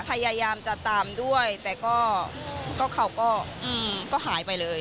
พยายามจะตามด้วยแต่ก็เขาก็หายไปเลย